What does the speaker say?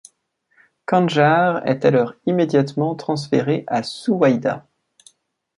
Khanjar est alors immédiatement ransféré à Suwayda.